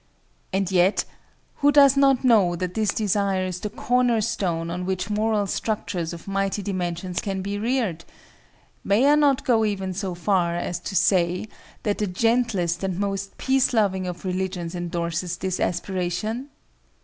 And yet, who does not know that this desire is the corner stone on which moral structures of mighty dimensions can be reared? May I not go even so far as to say that the gentlest and most peace loving of religions endorses this aspiration?